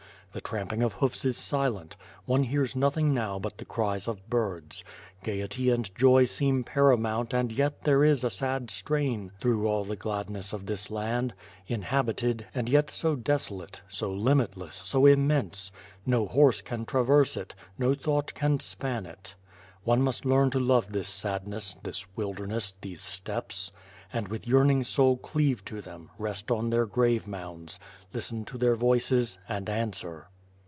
The tramping of hoofs is silent; one hears nothing now but the cries of birds. Gaiety and joy seem paramount and yet • there is a sad strain through all the gladness of this land; in habited, and yet so desolate — so limitless, so immense! No horse can traverse it; no thought can span it One must learn to love this sadness, this wilderness, these steppes; and with yearning soul cleave to them, rest on their grave mounds; listen to their voices, and answer.